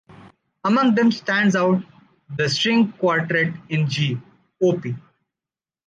Among them stands out the "String Quartet in G", Op.